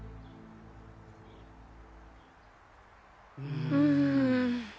うん。